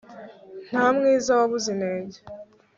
nta mwiza wabuze inenge